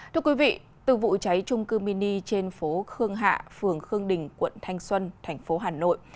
từ vụ cháy trung cư mini trên phố khương hạ phường khương đình quận thanh xuân thành phố hà nội